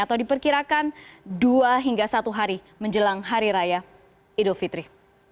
atau diperkirakan dua hingga satu hari menjelang hari raya idul fitri